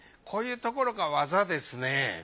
こういうところが技ですね。